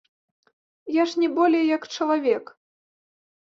Я ж не болей як чалавек.